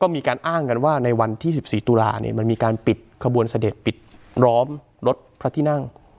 มันมีการปิดขบวนเสด็จปิดร้อมรถพระที่นั่ง